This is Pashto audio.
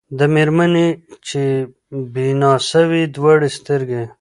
د مېرمني چي بینا سوې دواړي سترګي